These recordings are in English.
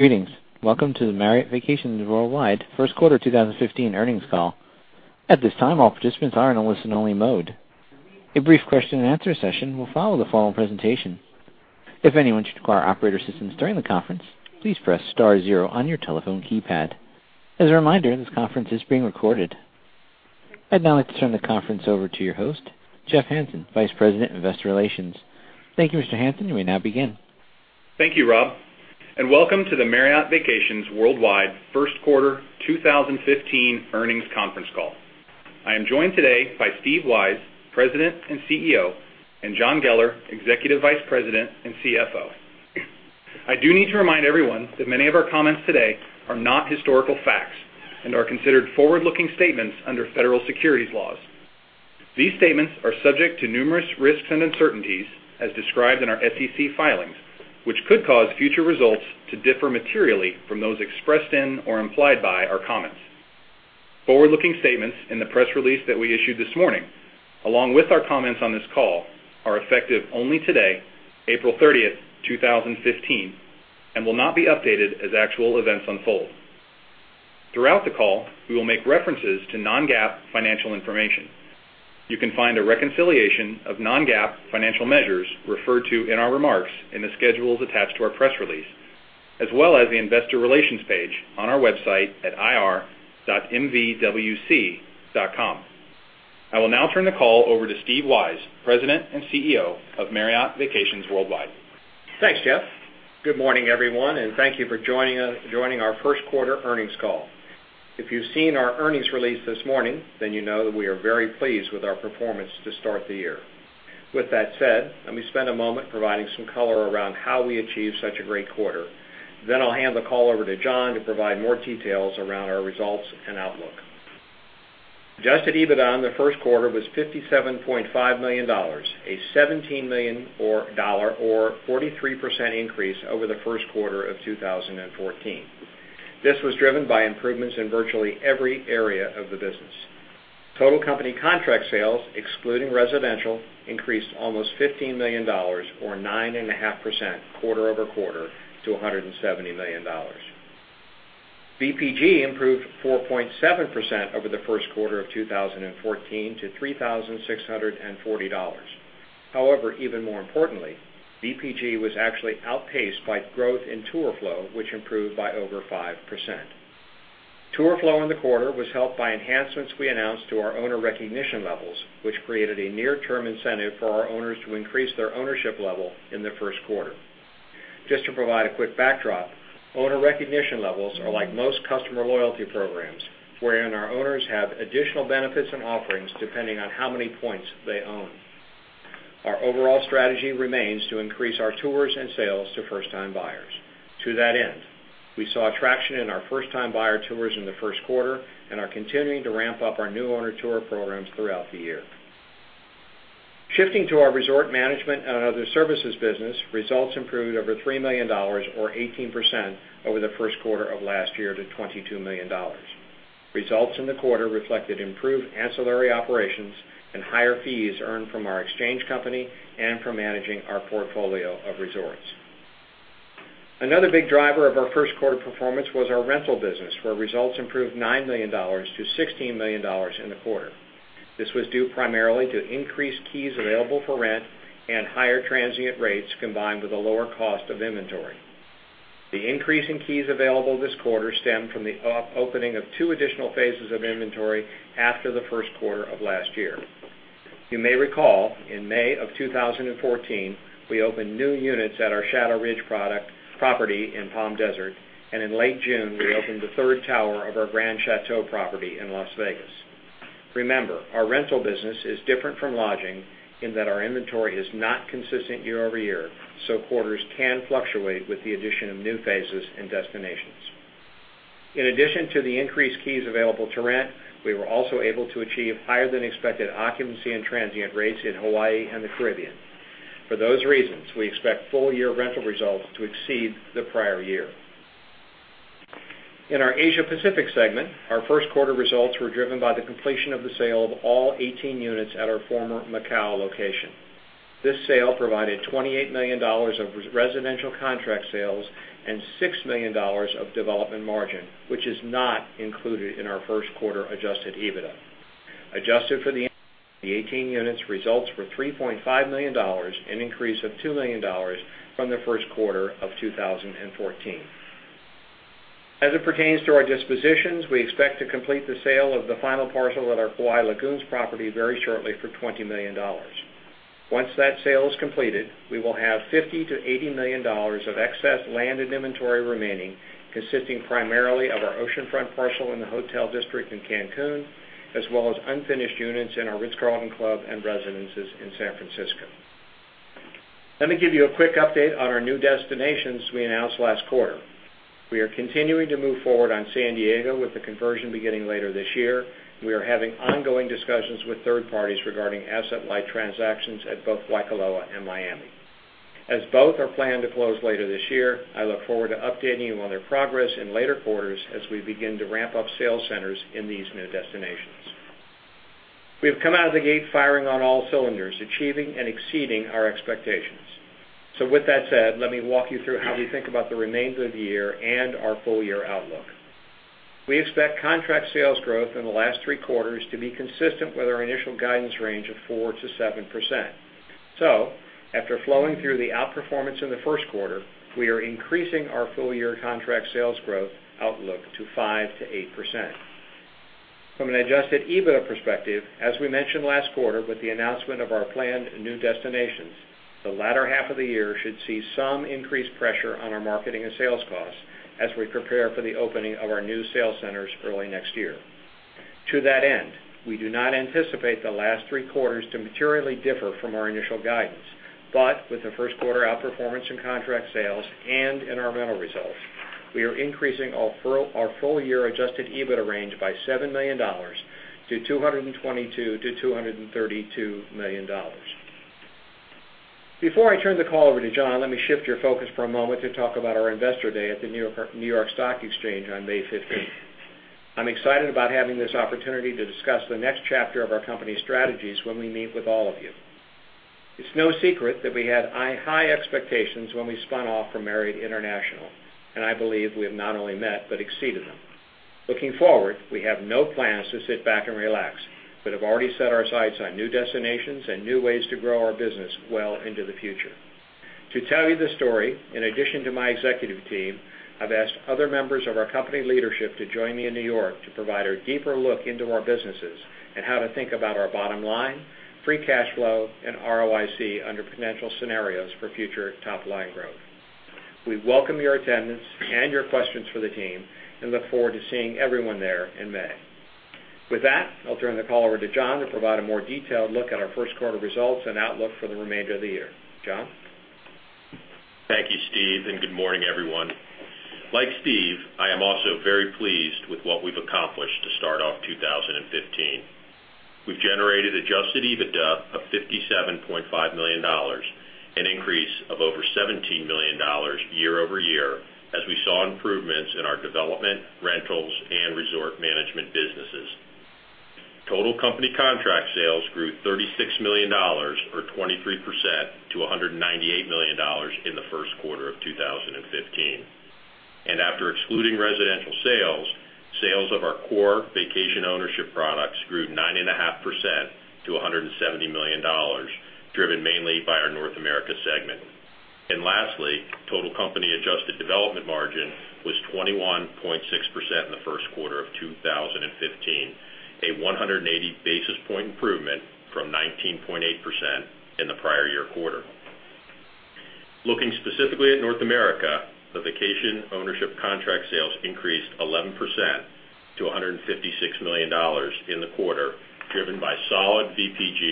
Greetings. Welcome to the Marriott Vacations Worldwide first quarter 2015 earnings call. At this time, all participants are in a listen-only mode. A brief question-and-answer session will follow the formal presentation. If anyone should require operator assistance during the conference, please press star zero on your telephone keypad. As a reminder, this conference is being recorded. I'd now like to turn the conference over to your host, Jeff Hansen, Vice President, Investor Relations. Thank you, Mr. Hansen. You may now begin. Thank you, Rob, welcome to the Marriott Vacations Worldwide first quarter 2015 earnings conference call. I am joined today by Steve Weisz, President and CEO, and John Geller, Executive Vice President and CFO. I do need to remind everyone that many of our comments today are not historical facts and are considered forward-looking statements under federal securities laws. These statements are subject to numerous risks and uncertainties as described in our SEC filings, which could cause future results to differ materially from those expressed in or implied by our comments. Forward-looking statements in the press release that we issued this morning, along with our comments on this call, are effective only today, April 30th, 2015, and will not be updated as actual events unfold. Throughout the call, we will make references to non-GAAP financial information. You can find a reconciliation of non-GAAP financial measures referred to in our remarks in the schedules attached to our press release, as well as the investor relations page on our website at ir.mvwc.com. I will now turn the call over to Steve Weisz, President and CEO of Marriott Vacations Worldwide. Thanks, Jeff. Good morning, everyone, thank you for joining our first quarter earnings call. If you've seen our earnings release this morning, you know that we are very pleased with our performance to start the year. With that said, let me spend a moment providing some color around how we achieved such a great quarter. I'll hand the call over to John to provide more details around our results and outlook. Adjusted EBITDA in the first quarter was $57.5 million, a $17 million or 43% increase over the first quarter of 2014. This was driven by improvements in virtually every area of the business. Total company contract sales, excluding residential, increased almost $15 million or 9.5% quarter-over-quarter to $170 million. VPG improved 4.7% over the first quarter of 2014 to $3,640. VPG was actually outpaced by growth in tour flow, which improved by over 5%. Tour flow in the quarter was helped by enhancements we announced to our owner recognition levels, which created a near-term incentive for our owners to increase their ownership level in the first quarter. Just to provide a quick backdrop, owner recognition levels are like most customer loyalty programs, wherein our owners have additional benefits and offerings depending on how many points they own. Our overall strategy remains to increase our tours and sales to first-time buyers. To that end, we saw traction in our first-time buyer tours in the first quarter and are continuing to ramp up our new owner tour programs throughout the year. Shifting to our resort management and other services business, results improved over $3 million or 18% over the first quarter of last year to $22 million. Results in the quarter reflected improved ancillary operations and higher fees earned from our exchange company and from managing our portfolio of resorts. Another big driver of our first quarter performance was our rental business, where results improved $9 million to $16 million in the quarter. This was due primarily to increased keys available for rent and higher transient rates combined with a lower cost of inventory. The increase in keys available this quarter stemmed from the opening of two additional phases of inventory after the first quarter of last year. You may recall, in May of 2014, we opened new units at our Shadow Ridge property in Palm Desert, and in late June, we opened the third tower of our Grand Chateau property in Las Vegas. Remember, our rental business is different from lodging in that our inventory is not consistent year-over-year, so quarters can fluctuate with the addition of new phases and destinations. In addition to the increased keys available to rent, we were also able to achieve higher than expected occupancy and transient rates in Hawaii and the Caribbean. For those reasons, we expect full-year rental results to exceed the prior year. In our Asia Pacific segment, our first quarter results were driven by the completion of the sale of all 18 units at our former Macau location. This sale provided $28 million of residential contract sales and $6 million of development margin, which is not included in our first quarter adjusted EBITDA. Adjusted for the 18 units results were $3.5 million, an increase of $2 million from the first quarter of 2014. As it pertains to our dispositions, we expect to complete the sale of the final parcel at our Kauai Lagoons property very shortly for $20 million. Once that sale is completed, we will have $50 million-$80 million of excess land and inventory remaining, consisting primarily of our oceanfront parcel in the hotel district in Cancun, as well as unfinished units in our The Ritz-Carlton Club and residences in San Francisco. Let me give you a quick update on our new destinations we announced last quarter. We are continuing to move forward on San Diego with the conversion beginning later this year. We are having ongoing discussions with third parties regarding asset-light transactions at both Waikoloa and Miami. As both are planned to close later this year, I look forward to updating you on their progress in later quarters as we begin to ramp up sales centers in these new destinations. We've come out of the gate firing on all cylinders, achieving and exceeding our expectations. With that said, let me walk you through how we think about the remainder of the year and our full-year outlook. We expect contract sales growth in the last three quarters to be consistent with our initial guidance range of 4%-7%. After flowing through the outperformance in the first quarter, we are increasing our full-year contract sales growth outlook to 5%-8%. From an adjusted EBITDA perspective, as we mentioned last quarter with the announcement of our planned new destinations, the latter half of the year should see some increased pressure on our marketing and sales costs as we prepare for the opening of our new sales centers early next year. To that end, we do not anticipate the last three quarters to materially differ from our initial guidance. With the first quarter outperformance in contract sales and in our rental results, we are increasing our full-year adjusted EBITDA range by $7 million to $222 million-$232 million. Before I turn the call over to John, let me shift your focus for a moment to talk about our Investor Day at the New York Stock Exchange on May 15th. I'm excited about having this opportunity to discuss the next chapter of our company strategies when we meet with all of you. It's no secret that we had high expectations when we spun off from Marriott International, I believe we have not only met but exceeded them. Looking forward, we have no plans to sit back and relax but have already set our sights on new destinations and new ways to grow our business well into the future. To tell you the story, in addition to my executive team, I've asked other members of our company leadership to join me in New York to provide a deeper look into our businesses and how to think about our bottom line, free cash flow, and ROIC under potential scenarios for future top-line growth. We welcome your attendance and your questions for the team and look forward to seeing everyone there in May. With that, I'll turn the call over to John to provide a more detailed look at our first quarter results and outlook for the remainder of the year. John? Thank you, Steve, and good morning, everyone. Like Steve, I am also very pleased with what we've accomplished to start off 2015. We've generated adjusted EBITDA of $57.5 million, an increase of over $17 million year-over-year, as we saw improvements in our development, rentals, and resort management businesses. Total company contract sales grew $36 million, or 23%, to $198 million in the first quarter of 2015. After excluding residential sales of our core vacation ownership products grew 9.5% to $170 million, driven mainly by our North America segment. Lastly, total company adjusted development margin was 21.6% in the first quarter of 2015, a 180-basis-point improvement from 19.8% in the prior year quarter. Looking specifically at North America, the vacation ownership contract sales increased 11% to $156 million in the quarter, driven by solid VPG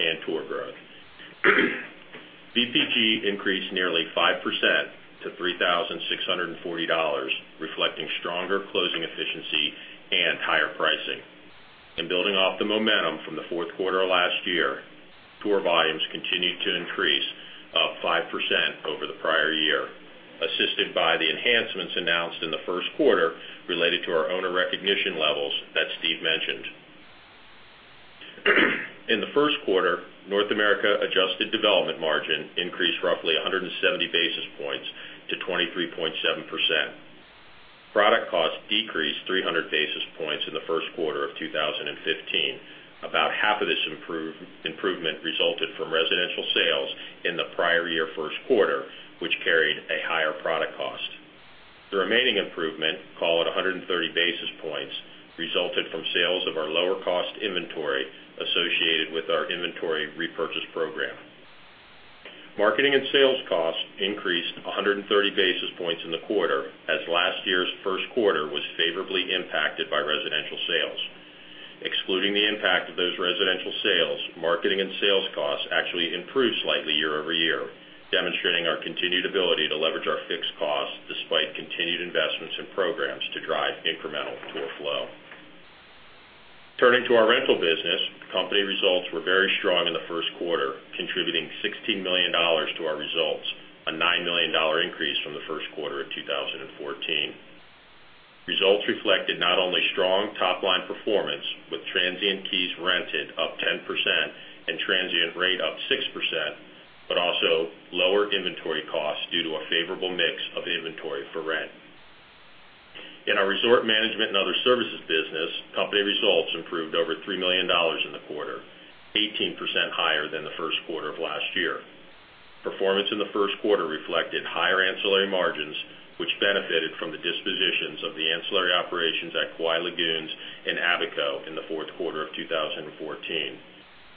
and tour growth. VPG increased nearly 5% to $3,640, reflecting stronger closing efficiency and higher pricing. Building off the momentum from the fourth quarter of last year, tour volumes continued to increase 5% over the prior year, assisted by the enhancements announced in the first quarter related to our owner recognition levels that Steve mentioned. In the first quarter, North America adjusted development margin increased roughly 170 basis points to 23.7%. Product costs decreased 300 basis points in the first quarter of 2015. About half of this improvement resulted from residential sales in the prior year first quarter, which carried a higher product cost. The remaining improvement, call it 130 basis points, resulted from sales of our lower-cost inventory associated with our inventory repurchase program. Marketing and sales costs increased 130 basis points in the quarter as last year's first quarter was favorably impacted by residential sales. Excluding the impact of those residential sales, marketing and sales costs actually improved slightly year-over-year, demonstrating our continued ability to leverage our fixed costs despite continued investments in programs to drive incremental tour flow. Turning to our rental business, company results were very strong in the first quarter, contributing $16 million to our results, a $9 million increase from the first quarter of 2014. Results reflected not only strong top-line performance with transient keys rented up 10% and transient rate up 6%, but also lower inventory costs due to a favorable mix of inventory for rent. In our resort management and other services business, company results improved over $3 million in the quarter, 18% higher than the first quarter of last year. Performance in the first quarter reflected higher ancillary margins, which benefited from the dispositions of the ancillary operations at Kauai Lagoons and Abaco in the fourth quarter of 2014.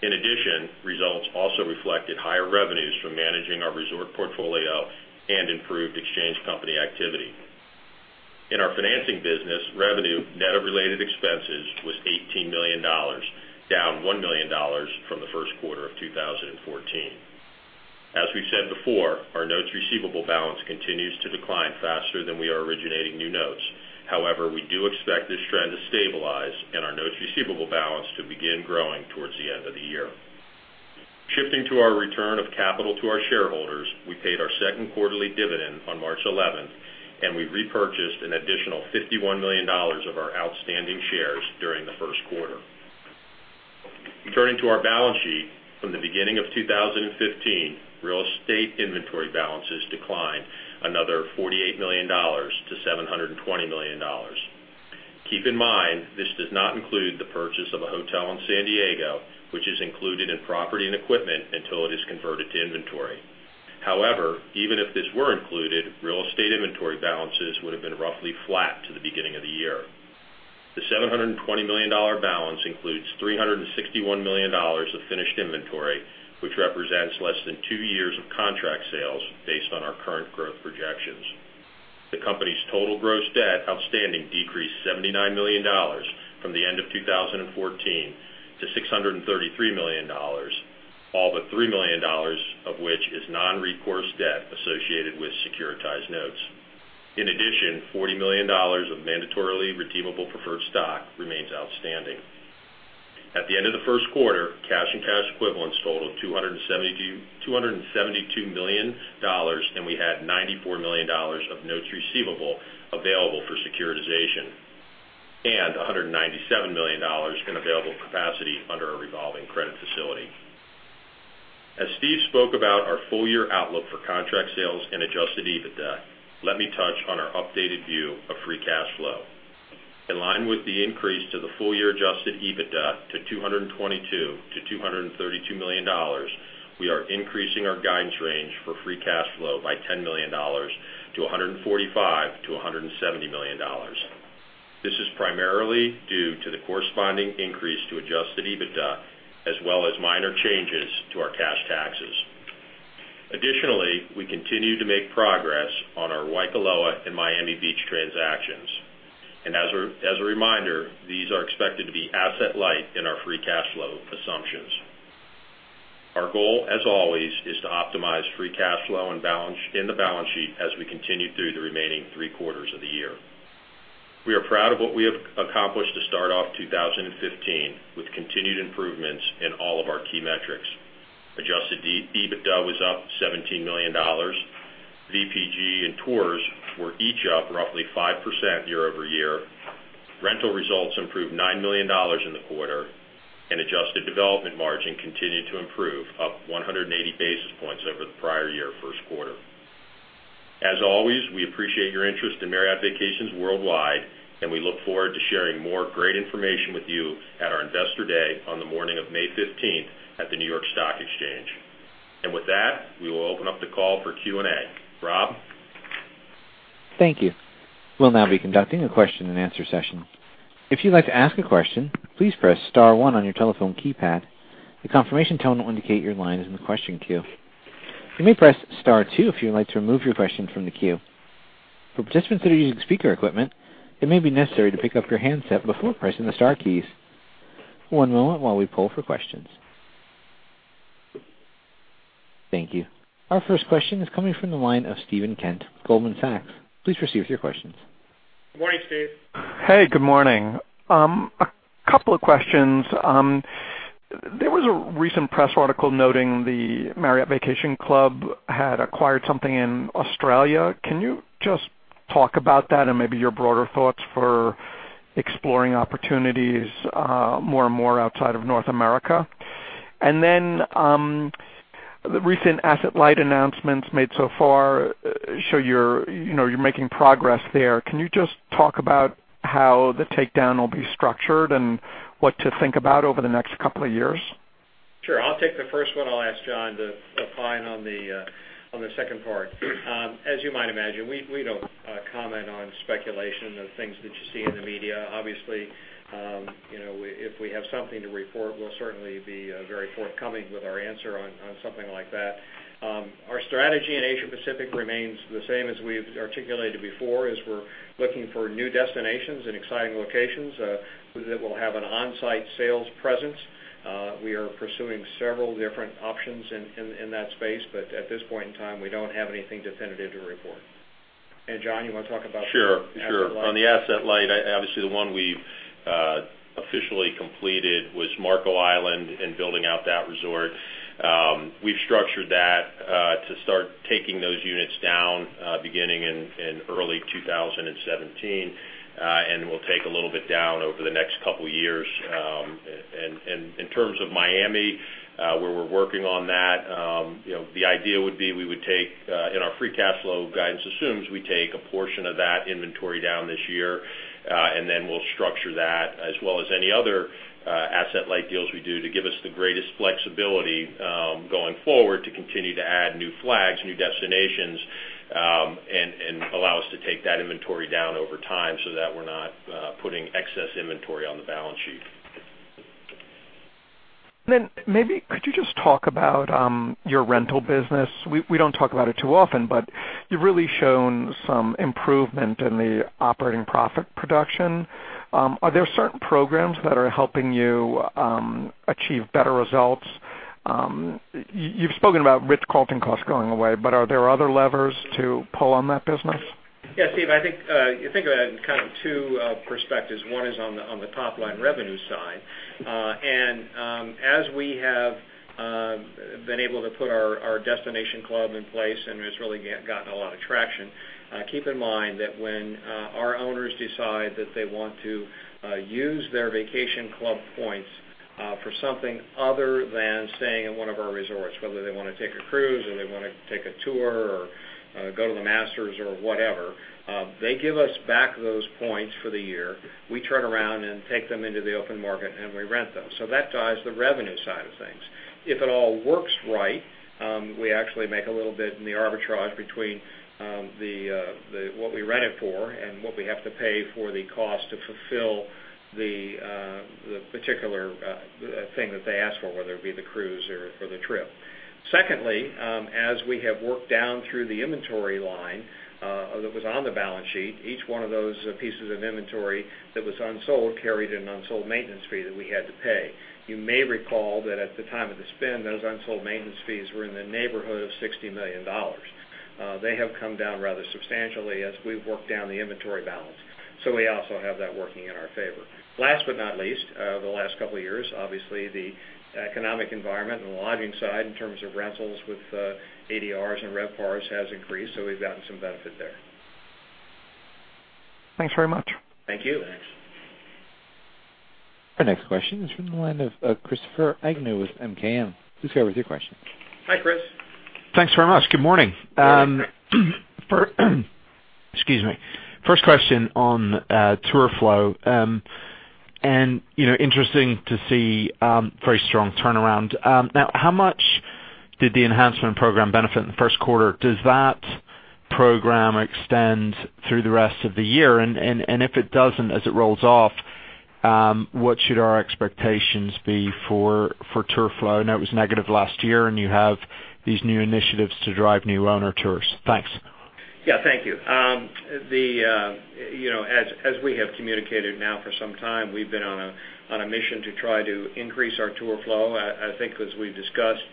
In addition, results also reflected higher revenues from managing our resort portfolio and improved exchange company activity. In our financing business, revenue net of related expenses was $18 million, down $1 million from the first quarter of 2014. As we've said before, our notes receivable balance continues to decline faster than we are originating new notes. However, we do expect this trend to stabilize and our notes receivable balance to begin growing towards the end of the year. Shifting to our return of capital to our shareholders, we paid our second quarterly dividend on March 11th, and we repurchased an additional $51 million of our outstanding shares during the first quarter. Turning to our balance sheet, from the beginning of 2015, real estate inventory balances declined another $48 million to $720 million. Keep in mind, this does not include the purchase of a hotel in San Diego, which is included in property and equipment until it is converted to inventory. However, even if this were included, real estate inventory balances would have been roughly flat to the beginning of the year. The $720 million balance includes $361 million of finished inventory, which represents less than two years of contract sales based on our current growth projections. The company's total gross debt outstanding decreased $79 million from the end of 2014 to $633 million, all but $3 million of which is non-recourse debt associated with securitized notes. In addition, $40 million of mandatorily redeemable preferred stock remains outstanding. At the end of the first quarter, cash and cash equivalents totaled $272 million, and we had $94 million of notes receivable available for securitization, and $197 million in available capacity under our revolving credit facility. As Steve spoke about our full-year outlook for contract sales and adjusted EBITDA, let me touch on our updated view of free cash flow. In line with the increase to the full-year adjusted EBITDA to $222 million-$232 million, we are increasing our guidance range for free cash flow by $10 million to $145 million-$170 million. This is primarily due to the corresponding increase to adjusted EBITDA, as well as minor changes to our cash taxes. As a reminder, these are expected to be asset light in our free cash flow assumptions. Our goal, as always, is to optimize free cash flow in the balance sheet as we continue through the remaining three quarters of the year. We are proud of what we have accomplished to start off 2015, with continued improvements in all of our key metrics. Adjusted EBITDA was up $17 million. VPG and tours were each up roughly 5% year-over-year. Rental results improved $9 million in the quarter, and adjusted development margin continued to improve, up 180 basis points over the prior year first quarter. As always, we appreciate your interest in Marriott Vacations Worldwide, and we look forward to sharing more great information with you at our Investor Day on the morning of May 15th at the New York Stock Exchange. With that, we will open up the call for Q&A. Rob? Thank you. We'll now be conducting a question and answer session. If you'd like to ask a question, please press star one on your telephone keypad. The confirmation tone will indicate your line is in the question queue. You may press star two if you'd like to remove your question from the queue. For participants that are using speaker equipment, it may be necessary to pick up your handset before pressing the star keys. One moment while we poll for questions. Thank you. Our first question is coming from the line of Steven Kent, Goldman Sachs. Please proceed with your questions. Good morning, Steve. Hey, good morning. A couple of questions. There was a recent press article noting the Marriott Vacation Club had acquired something in Australia. Can you just talk about that and maybe your broader thoughts for exploring opportunities more and more outside of North America? The recent asset light announcements made so far show you're making progress there. Can you just talk about how the takedown will be structured and what to think about over the next couple of years? Sure. I'll take the first one. I'll ask John to opine on the second part. As you might imagine, we don't comment on speculation of things that you see in the media. Obviously, if we have something to report, we'll certainly be very forthcoming with our answer on something like that. Our strategy in Asia Pacific remains the same as we've articulated before, as we're looking for new destinations and exciting locations that will have an on-site sales presence. We are pursuing several different options in that space, but at this point in time, we don't have anything definitive to report. John, you want to talk about the asset light? Sure. On the asset light, obviously the one we've officially completed was Marco Island and building out that resort. We've structured that to start taking those units down beginning in early 2017, and we'll take a little bit down over the next couple of years. In terms of Miami, where we're working on that, the idea would be our free cash flow guidance assumes we take a portion of that inventory down this year, and then we'll structure that as well as any other asset light deals we do to give us the greatest flexibility going forward to continue to add new flags, new destinations, and allow us to take that inventory down over time so that we're not putting excess inventory on the balance sheet. Could you just talk about your rental business? We don't talk about it too often, but you've really shown some improvement in the operating profit production. Are there certain programs that are helping you achieve better results? You've spoken about Ritz-Carlton costs going away, but are there other levers to pull on that business? Yeah, Steve, I think you think about it in two perspectives. One is on the top-line revenue side. As we have been able to put our destination club in place and has really gotten a lot of traction, keep in mind that when our owners decide that they want to use their vacation club points for something other than staying in one of our resorts, whether they want to take a cruise or they want to take a tour or go to the Masters or whatever, they give us back those points for the year. We turn around and take them into the open market, and we rent them. That drives the revenue side of things. If it all works right, we actually make a little bit in the arbitrage between what we rent it for and what we have to pay for the cost to fulfill the particular thing that they ask for, whether it be the cruise or the trip. Secondly, as we have worked down through the inventory line that was on the balance sheet, each one of those pieces of inventory that was unsold carried an unsold maintenance fee that we had to pay. You may recall that at the time of the spin, those unsold maintenance fees were in the neighborhood of $60 million. They have come down rather substantially as we've worked down the inventory balance. We also have that working in our favor. Last but not least, the last couple of years, obviously, the economic environment and the lodging side in terms of rentals with ADR and RevPAR has increased, we've gotten some benefit there. Thanks very much. Thank you. Thanks. Our next question is from the line of Christopher Agnew with MKM. Christopher, with your question. Hi, Chris. Thanks very much. Good morning. Excuse me. First question on tour flow. Interesting to see very strong turnaround. How much did the enhancement program benefit in the first quarter? Does that program extend through the rest of the year? If it doesn't, as it rolls off, what should our expectations be for tour flow? I know it was negative last year, and you have these new initiatives to drive new owner tours. Thanks. Yeah, thank you. As we have communicated now for some time, we've been on a mission to try to increase our tour flow. I think as we've discussed,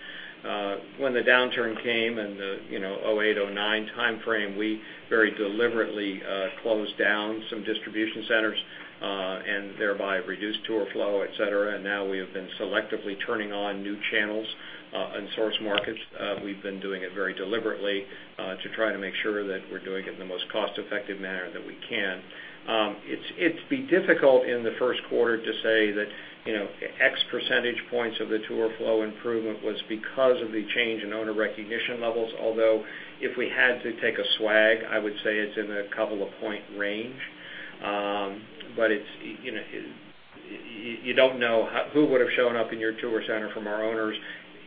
when the downturn came in the 2008, 2009 timeframe, we very deliberately closed down some distribution centers, and thereby reduced tour flow, et cetera. Now we have been selectively turning on new channels and source markets. We've been doing it very deliberately to try to make sure that we're doing it in the most cost-effective manner that we can. It'd be difficult in the first quarter to say that X percentage points of the tour flow improvement was because of the change in owner recognition levels. Although if we had to take a swag, I would say it's in a couple of point range. You don't know who would have shown up in your tour center from our owners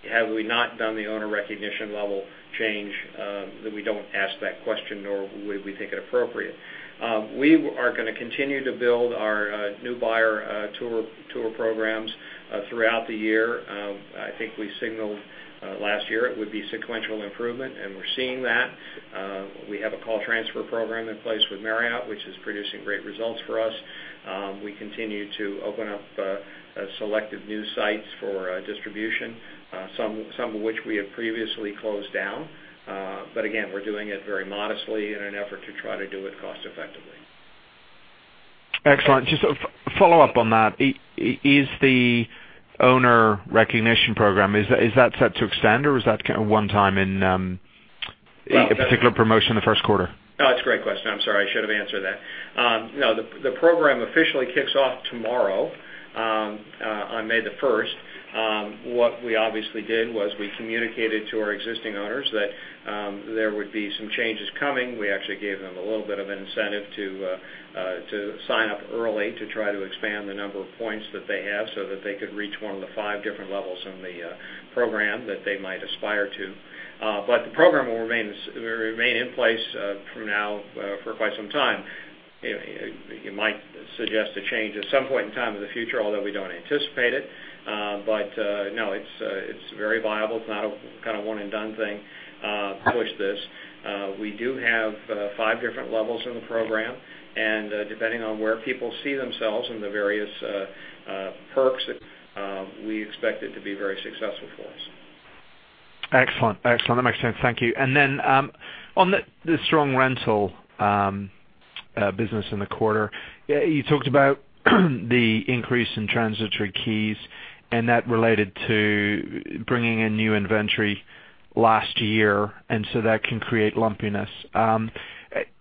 had we not done the owner recognition level change, that we don't ask that question, nor would we think it appropriate. We are going to continue to build our new buyer tour programs throughout the year. I think we signaled last year it would be sequential improvement, and we're seeing that. We have a call transfer program in place with Marriott, which is producing great results for us. We continue to open up selective new sites for distribution, some of which we have previously closed down. Again, we're doing it very modestly in an effort to try to do it cost-effectively. Excellent. Just a follow-up on that. Is the owner recognition program, is that set to extend, or is that one time in a particular promotion in the first quarter? That's a great question. I'm sorry, I should have answered that. The program officially kicks off tomorrow, on May 1st. What we obviously did was we communicated to our existing owners that there would be some changes coming. We actually gave them a little bit of an incentive to sign up early to try to expand the number of points that they have so that they could reach one of the 5 different levels in the program that they might aspire to. The program will remain in place from now for quite some time. You might suggest a change at some point in time in the future, although we don't anticipate it. It's very viable. It's not a one-and-done thing to push this. We do have 5 different levels in the program. Depending on where people see themselves in the various perks, we expect it to be very successful for us. Excellent. That makes sense. Thank you. On the strong rental business in the quarter, you talked about the increase in transient keys and that related to bringing in new inventory last year, so that can create lumpiness.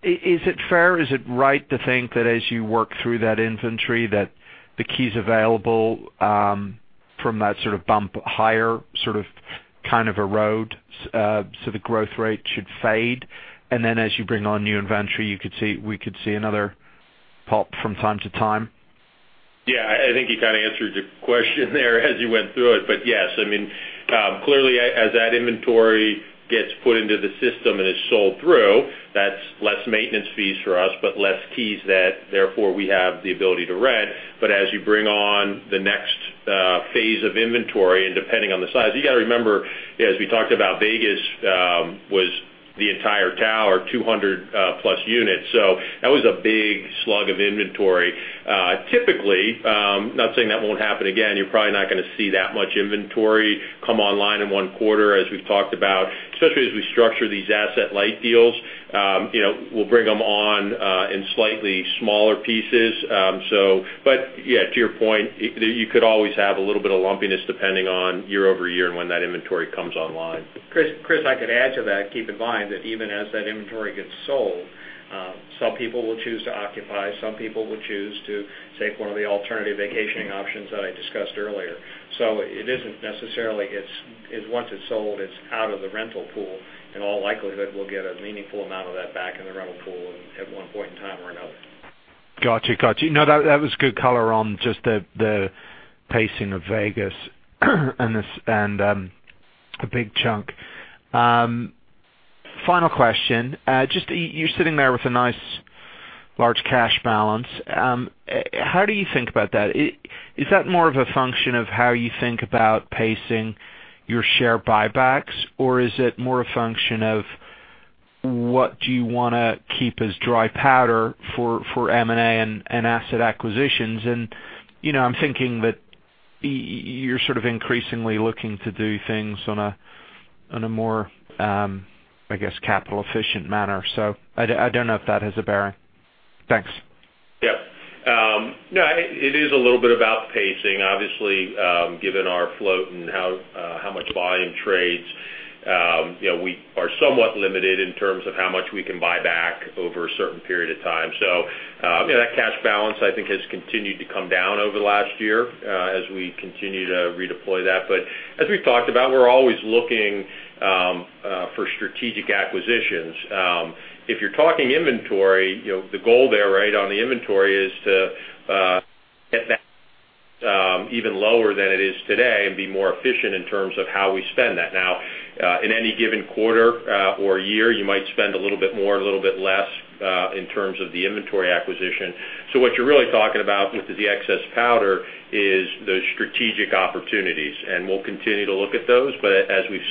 Is it fair, is it right to think that as you work through that inventory, that the keys available from that sort of bump higher kind of erode, so the growth rate should fade? As you bring on new inventory, we could see another pop from time to time? I think you kind of answered your question there as you went through it. Yes, clearly as that inventory gets put into the system and is sold through, that's less maintenance fees for us, but less keys that therefore we have the ability to rent. As you bring on the next phase of inventory and depending on the size, you got to remember, as we talked about Vegas was the entire tower, 200-plus units, so that was a big slug of inventory. Typically, not saying that won't happen again, you're probably not going to see that much inventory come online in one quarter as we've talked about, especially as we structure these asset-light deals. We'll bring them on in slightly smaller pieces. To your point, you could always have a little bit of lumpiness depending on year-over-year and when that inventory comes online. Chris, I could add to that. Keep in mind that even as that inventory gets sold Some people will choose to occupy, some people will choose to take one of the alternative vacationing options that I discussed earlier. It isn't necessarily, once it's sold, it's out of the rental pool. In all likelihood, we'll get a meaningful amount of that back in the rental pool at one point in time or another. Got you. That was good color on just the pacing of Vegas and a big chunk. Final question. You're sitting there with a nice large cash balance. How do you think about that? Is that more of a function of how you think about pacing your share buybacks? Or is it more a function of what do you want to keep as dry powder for M&A and asset acquisitions? I'm thinking that you're sort of increasingly looking to do things on a more, I guess, capital-efficient manner. I don't know if that has a bearing. Thanks. Yep. It is a little bit about pacing, obviously, given our float and how much volume trades. We are somewhat limited in terms of how much we can buy back over a certain period of time. That cash balance, I think, has continued to come down over the last year as we continue to redeploy that. As we've talked about, we're always looking for strategic acquisitions. If you're talking inventory, the goal there on the inventory is to get that even lower than it is today and be more efficient in terms of how we spend that. In any given quarter or year, you might spend a little bit more, a little bit less, in terms of the inventory acquisition. What you're really talking about with the excess powder is the strategic opportunities, and we'll continue to look at those. As we've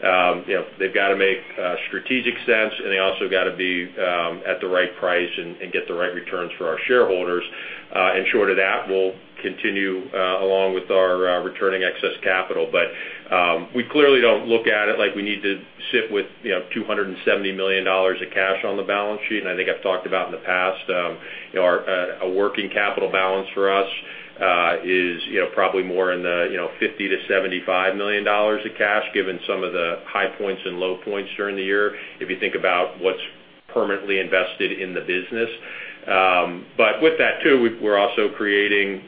said, they've got to make strategic sense, and they also got to be at the right price and get the right returns for our shareholders. Short of that, we'll continue along with our returning excess capital. We clearly don't look at it like we need to sit with $270 million of cash on the balance sheet, I think I've talked about in the past, a working capital balance for us is probably more in the $50 million to $75 million of cash, given some of the high points and low points during the year if you think about what's permanently invested in the business. With that too, we're also creating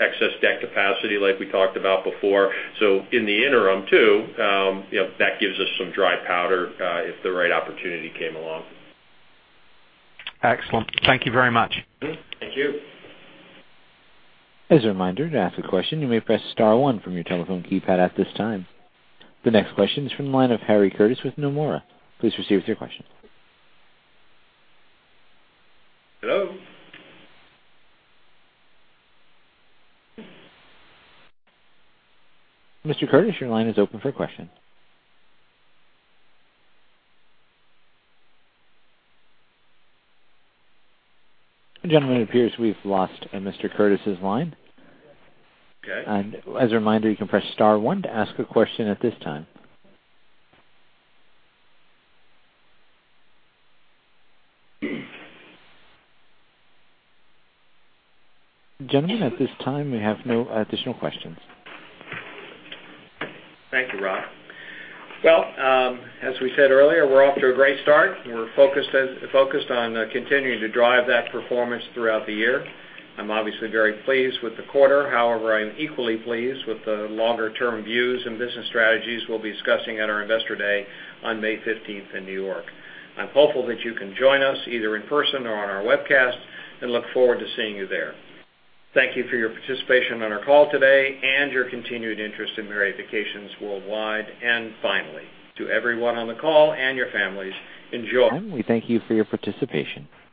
excess debt capacity like we talked about before. In the interim too, that gives us some dry powder if the right opportunity came along. Excellent. Thank you very much. Thank you. As a reminder, to ask a question, you may press star one from your telephone keypad at this time. The next question is from the line of Harry Curtis with Nomura. Please proceed with your question. Hello? Mr. Curtis, your line is open for question. Gentlemen, it appears we've lost Mr. Curtis' line. Okay. As a reminder, you can press star one to ask a question at this time. Gentlemen, at this time, we have no additional questions. Thank you, Rob. As we said earlier, we're off to a great start. We're focused on continuing to drive that performance throughout the year. I'm obviously very pleased with the quarter. However, I'm equally pleased with the longer-term views and business strategies we'll be discussing at our Investor Day on May 15th in New York. I'm hopeful that you can join us either in person or on our webcast and look forward to seeing you there. Thank you for your participation on our call today and your continued interest in Marriott Vacations Worldwide. Finally, to everyone on the call and your families, enjoy. We thank you for your participation.